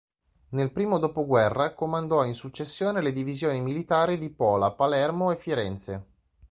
Nel primo dopoguerra comandò in successione le Divisioni militari di Pola, Palermo e Firenze.